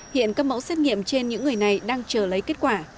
hiện các mẫu xét nghiệm trên những người này đang chờ lấy kết quả